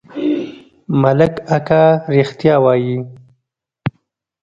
ملک اکا رښتيا وايي.